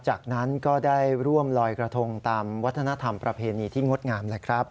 จากนั้นก็ได้ร่วมลอยกระทงตามวัฒนธรรมประเพณีที่งดงามแหละครับ